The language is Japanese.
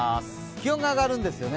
気温が上がるんですよね。